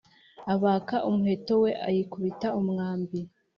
abaka umuheto we, ayikubita umwambi